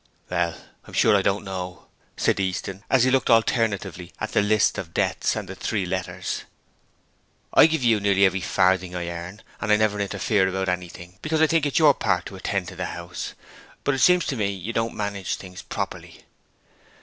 'Well, I'm sure I don't know,' said Easton, as he looked alternatively at the list of debts and the three letters. 'I give you nearly every farthing I earn and I never interfere about anything, because I think it's your part to attend to the house, but it seems to me you don't manage things properly.'